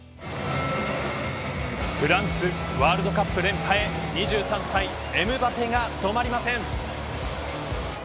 フランスワールドカップ連覇へ２３歳エムバペが止まりません。